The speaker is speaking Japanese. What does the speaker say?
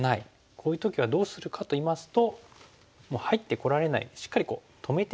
こういう時はどうするかといいますともう入ってこられないしっかり止めておくのがおすすめです。